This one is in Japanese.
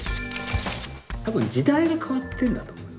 多分時代が変わってんだと思いますね。